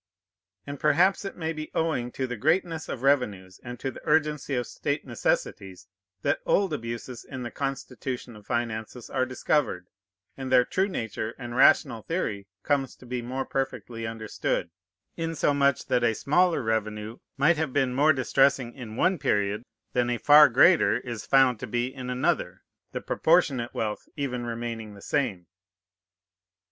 And perhaps it may be owing to the greatness of revenues, and to the urgency of state necessities, that old abuses in the constitution of finances are discovered, and their true nature and rational theory comes to be more perfectly understood; insomuch that a smaller revenue might have been more distressing in one period than a far greater is found to be in another, the proportionate wealth even remaining the same.